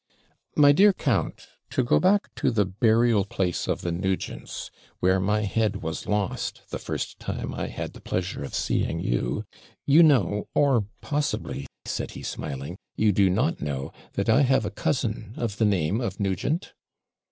'My dear count to go back to the BURIAL PLACE OF THE NUGENTS, where my head was lost the first time I had the pleasure of seeing you you know, or, possibly,' said he, smiling, 'you do not know, that I have a cousin of the name of Nugent?'